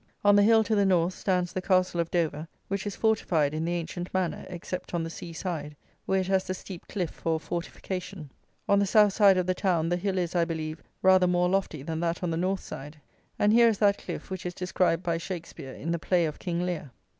On the hill to the north stands the Castle of Dover, which is fortified in the ancient manner, except on the sea side, where it has the steep Cliff for a fortification. On the south side of the town, the hill is, I believe, rather more lofty than that on the north side; and here is that Cliff which is described by Shakspeare in the Play of King Lear.